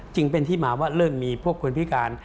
จึงเป็นที่มาว่าเริ่มมีพวกคนพิการ